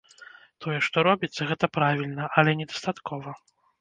Тое, што робіцца, гэта правільна, але недастаткова.